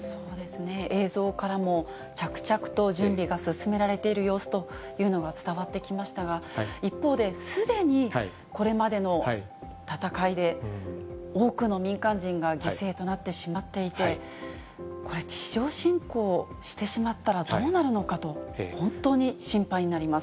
映像からも着々と準備が進められている様子が伝わってきましたが、一方で、すでにこれまでの戦いで多くの民間人が犠牲となってしまっていて、これ、地上侵攻してしまったらどうなるのかと、本当に心配になります。